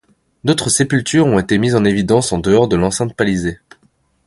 D'autres sépultures ont été mises en évidence en dehors de l'enceinte palissadée.